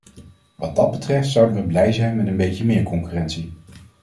Wat dat betreft zouden wij blij zijn met een beetje meer concurrentie.